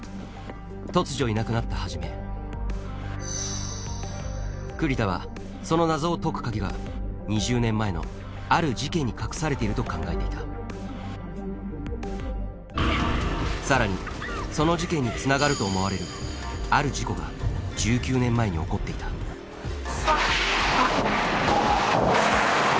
突如いなくなった始栗田はその謎を解くカギが２０年前のある事件に隠されていると考えていたさらにその事件につながると思われるある事故が１９年前に起こっていたあっ！